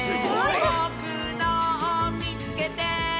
「ぼくのをみつけて！」